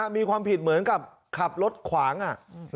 มีความผิดเหมือนกับขับรถขวาง